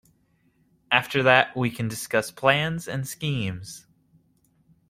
After that we can discuss plans and schemes.